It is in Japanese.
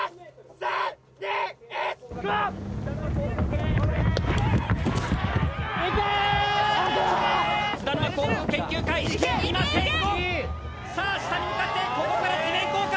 さあ下に向かってここから地面効果。